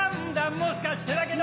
もしかしてだけど